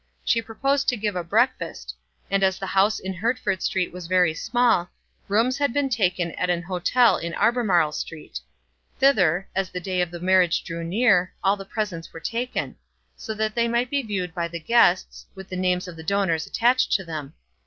She proposed to give a breakfast; and as the house in Hertford Street was very small, rooms had been taken at an hotel in Albemarle Street. Thither, as the day of the marriage drew near, all the presents were taken, so that they might be viewed by the guests, with the names of the donors attached to them.